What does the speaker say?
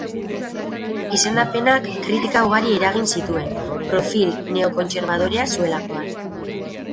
Izendapenak kritika ugari eragin zituen, profil neokontserbadorea zuelakoan.